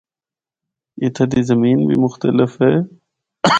اِتھا دی زمین بھی مختلف ہے۔